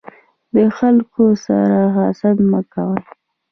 د خلکو سره حسد مه کوی.